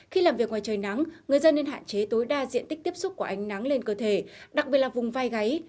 khi làm việc ngoài trời nắng người dân nên hạn chế tối đa diện tích tiếp xúc của ánh nắng lên cơ thể đặc biệt là vùng vai gáy